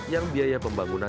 yang biaya pembangunan